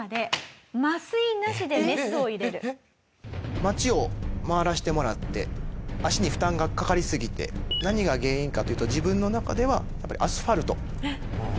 町を回らせてもらって足に負担がかかりすぎて何が原因かというと自分の中ではやっぱりアスファルト。